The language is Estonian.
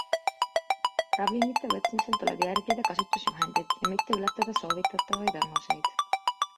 Ravimite võtmisel tuleb järgida kasutusjuhendit ja mitte ületada soovitatavaid annuseid.